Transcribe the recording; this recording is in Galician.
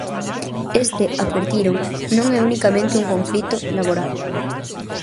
Este, advertiron, non é unicamente un conflito "laboral".